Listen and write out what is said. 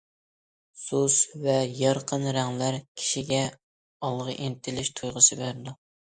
سۇس ۋە يارقىن رەڭلەر كىشىگە ئالغا ئىنتىلىش تۇيغۇسى بېرىدۇ.